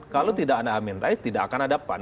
kalau tidak ada amin rais tidak akan ada pan